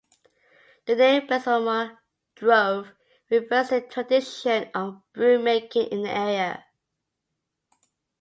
The name Besomer Drove refers to the tradition of broom-making in the area.